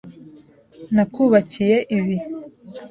Nakubakiye ibi.